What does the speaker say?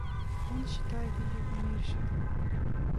Он считает ее умершею.